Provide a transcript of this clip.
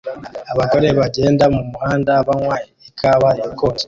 Abagore bagenda mumuhanda banywa ikawa ikonje